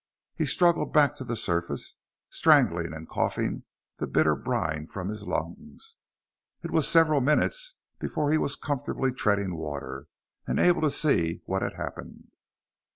He struggled back to the surface, strangling, and coughing the bitter brine from his lungs. It was several minutes before he was comfortably treading water, and able to see what had happened.